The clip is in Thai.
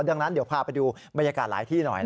ดังนั้นเดี๋ยวพาไปดูบรรยากาศหลายที่หน่อย